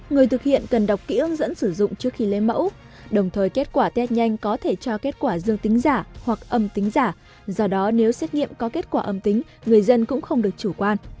người thực hiện cần đọc kỹ hướng dẫn sử dụng trước khi lấy mẫu đồng thời kết quả test nhanh có thể cho kết quả dương tính giả hoặc âm tính giả do đó nếu xét nghiệm có kết quả âm tính người dân cũng không được chủ quan